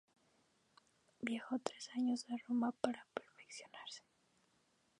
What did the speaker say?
Viajó tres años a Roma para perfeccionarse.